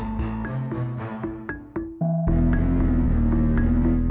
saya pergi dulu